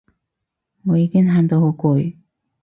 我已經喊到好攰